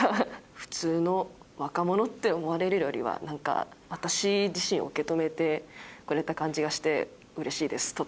普通の若者って思われるよりは何か私自身を受け止めてくれた感じがしてうれしいです